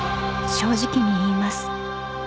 ［正直に言います］